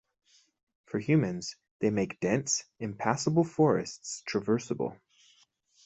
For humans, they make dense, impassable forests traversable.